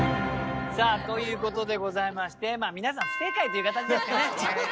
さあということでございましてまあ皆さん不正解という形ですかね。